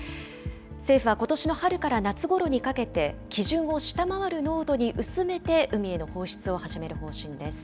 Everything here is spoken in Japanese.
政府はことしの春から夏ごろにかけて、基準を下回る濃度に薄めて、海への放出を始める方針です。